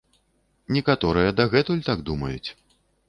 Некаторыя дагэтуль так думаюць.